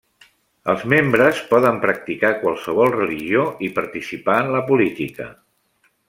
Els membres poden practicar qualsevol religió i participar en la política.